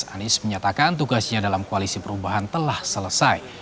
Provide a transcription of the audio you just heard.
anies menyatakan tugasnya dalam koalisi perubahan telah selesai